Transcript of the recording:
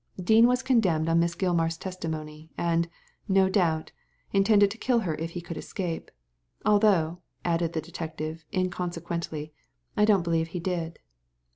Dean was condemned on Miss Gilmar's testimony, and, no doubt, intended to kill her if he could escape. Although," added the detective, inconsequently, "I don't believe he did."